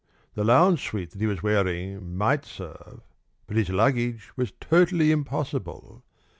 The lounge suit that he was wearing might serve, but his luggage was totally impossible.